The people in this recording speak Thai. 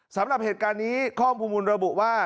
สำหรับเหตุการณ์นี้ข้อมูลระบุว่า